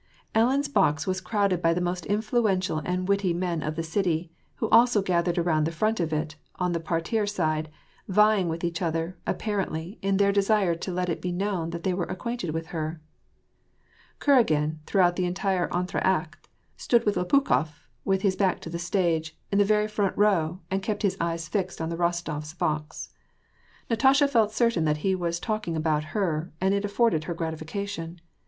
Ellen's box was crowded by the most influential and witty men of the city, who also gathered around the front of it, on the parterre side, vying with each other, apparently, in their desire to let it be known that they were acquainted with her. Kuragin, throughout that entr^acte, stood with Lopukhof, with his back to the stage, in the very front row, and kept his eyes fixed on the Kostofs' box. Natasha felt certain that he was talking about her, and it afforded her gratification.